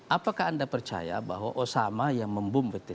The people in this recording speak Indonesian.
apakah anda percaya bahwa osama yang memboom btc